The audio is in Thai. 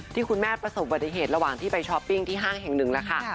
ที่คุณแม่ประสบบัติเหตุระหว่างที่ไปช้อปปิ้งที่ห้างแห่งหนึ่งแล้วค่ะ